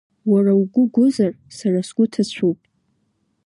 Уара угәы гәызар, сара сгәы ҭацәуп.